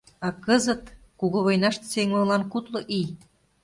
А кызыт — кугу войнаште сеҥымылан кудло ий.